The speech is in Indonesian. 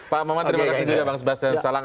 pak mohamad terima kasih juga bang sebastian salang